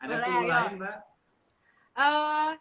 ada tuu lain pak